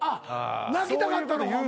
泣きたかったのかお前。